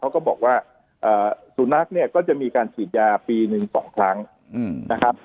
ก็บอกว่าสุนัขเนี่ยก็จะมีการฉีดยาปีหนึ่ง๒ครั้งนะครับ